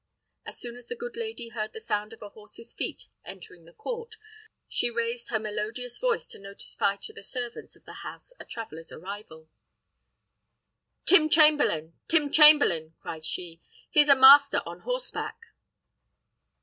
As soon as the good lady heard the sound of a horse's feet entering the court, she raised her melodious voice to notify to the servants of the house a traveller's arrival. "Tim Chamberlain! Tim Chamberlain!" cried she, "here's a master on horseback."